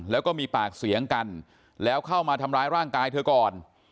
แล้วก็มีปากเสียงกันแล้วเข้ามาทำร้ายร่างกายเธอก่อน